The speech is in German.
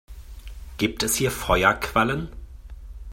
Gibt es hier Feuerquallen?